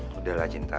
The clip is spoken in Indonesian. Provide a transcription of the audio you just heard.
yaudah lah cinta